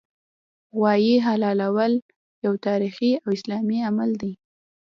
غوايي حلالول یو تاریخي او اسلامي عمل دی